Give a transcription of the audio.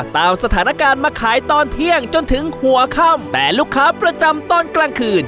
ตามสถานการณ์มาขายตอนเที่ยงจนถึงหัวค่ำแต่ลูกค้าประจำตอนกลางคืน